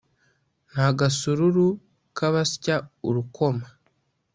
nta gasururu k' abasya urukoma